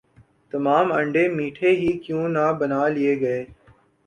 تمام انڈے میٹھے ہی کیوں نہ بنا لئے گئے